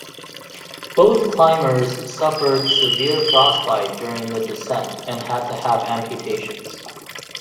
Both climbers suffered severe frostbite during the descent and had to have amputations.